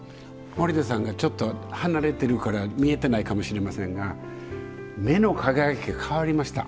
森田さんがちょっと離れてるから見えてないかもしれませんが目の輝きが変わりました。